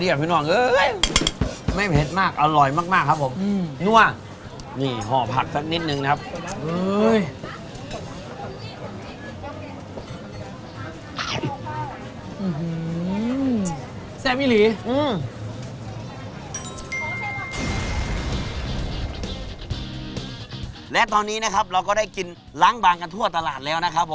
เสียบเสียบพอเสียบนั่วอุ้ยคักกระดอกกระเดียบพี่นอนเออ